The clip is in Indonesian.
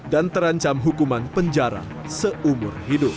dan terancam hukuman penjara seumur hidup